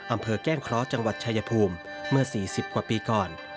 อำเภอแก้งเคราะห์จังหวัดชายภูมิเมื่อสี่สิบกว่าปีก่อน